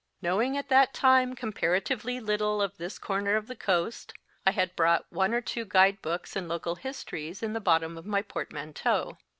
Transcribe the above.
Knowing at that time comparatively little of this corner of the coast, I had brought one or two guide books and local histories in the bottom of my portmanteau.